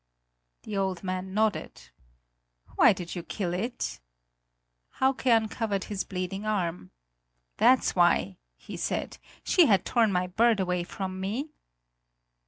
The old man nodded: "Why did you kill it?" Hauke uncovered his bleeding arm. "That's why," he said. "She had torn my bird away from me!"